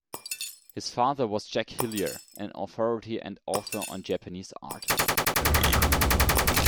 His father was Jack Hillier, an authority and author on Japanese art.